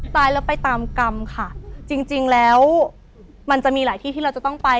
ตายแล้วไปตามกรรมค่ะจริงจริงแล้วมันจะมีหลายที่ที่เราจะต้องไป